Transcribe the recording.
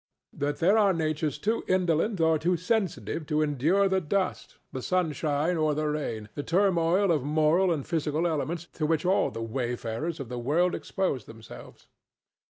But there are natures too indolent or too sensitive to endure the dust, the sunshine or the rain, the turmoil of moral and physical elements, to which all the wayfarers of the world expose themselves.